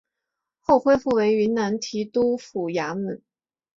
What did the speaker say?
后恢复为云南提督府衙门。